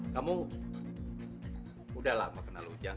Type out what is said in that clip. kamu udah lama kenal hujan